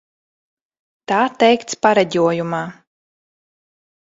Tā teikts pareģojumā.